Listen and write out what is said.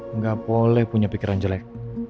nggak boleh punya pikiran jelek